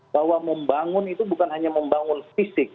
bahwa membangun itu bukan hanya membangun fisik